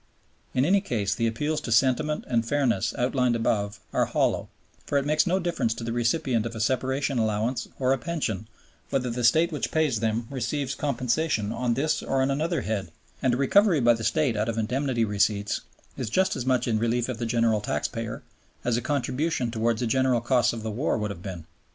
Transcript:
In any case the appeals to sentiment and fairness outlined above are hollow; for it makes no difference to the recipient of a separation allowance or a pension whether the State which pays them receives compensation on this or on another head, and a recovery by the State out of indemnity receipts is just as much in relief of the general taxpayer as a contribution towards the general costs of the war would have been.